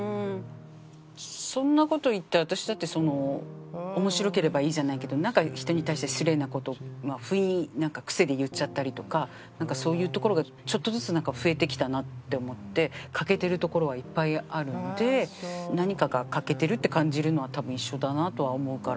そんな事言ったら私だってその「面白ければいい」じゃないけどなんか人に対して失礼な事を不意になんか癖で言っちゃったりとかそういうところがちょっとずつ増えてきたなって思って欠けてるところはいっぱいあるんで何かが欠けてるって感じるのは多分一緒だなとは思うから。